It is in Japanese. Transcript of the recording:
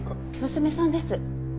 娘さんです。